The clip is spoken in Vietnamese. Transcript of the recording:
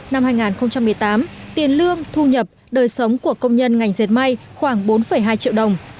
năm hai nghìn một mươi tám tiền lương thu nhập đời sống của công nhân ngành dệt may khoảng bốn hai triệu đồng